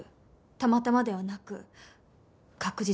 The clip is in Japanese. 「たまたま」ではなく確実に。